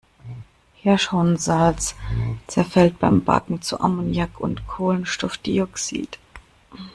Hirschhornsalz zerfällt beim Backen zu Ammoniak und Kohlenstoffdioxid.